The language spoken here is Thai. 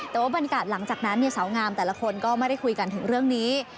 แต่ว่าบรรยากาศหลังจากนั้นสาวงามแต่ละคนก็ไม่ได้คุยกันถึงเรื่องนี้